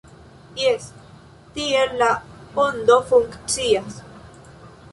Jes, tiel La Ondo funkcias.